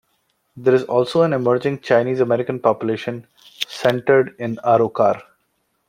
There is also an emerging Chinese-American population, centered in Arrochar.